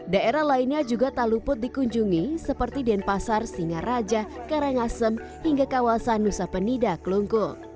daerah lainnya juga tak luput dikunjungi seperti denpasar singaraja karangasem hingga kawasan nusa penida kelungkung